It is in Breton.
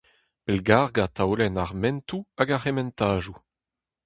Pellgargañ taolenn ar mentoù hag ar c'hementadoù.